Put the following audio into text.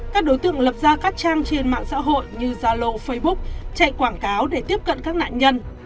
các đối tượng lập ra các trang trên mạng xã hội như zalo facebook chạy quảng cáo để tiếp cận các nạn nhân